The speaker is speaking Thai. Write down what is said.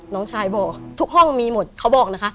น้องชายบอกทุกห้องมีหมดเขาบอกนะคะ